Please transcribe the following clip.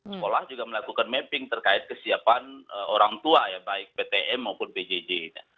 sekolah juga melakukan mapping terkait kesiapan orang tua ya baik ptm maupun pjj